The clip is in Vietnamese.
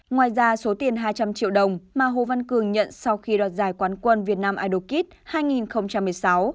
ngoài ra số tiền hai trăm linh triệu đồng mà hồ văn cương nhận sau khi đoạt giải quán quân việt nam idol kids hai nghìn một mươi sáu